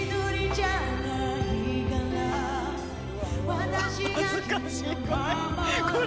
恥ずかしいこれ。